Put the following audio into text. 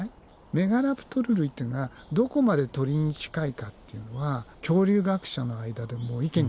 メガラプトル類っていうのはどこまで鳥に近いかっていうのは恐竜学者の間でも意見が分かれてて。